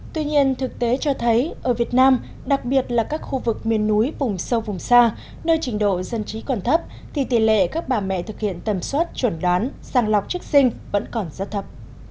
tuy nhiên thực tế cho thấy ở việt nam đặc biệt là các khu vực miền núi vùng sâu vùng xa nơi trình độ dân trí còn thấp thì tỷ lệ các bà mẹ thực hiện tầm soát chuẩn đoán sàng lọc chức sinh vẫn còn rất thấp